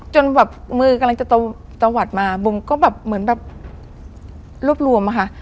จนแบบมือกำลังจะตะวัดมาบุ๋มก็แบบเหมือนแบบรวบรวมอะค่ะ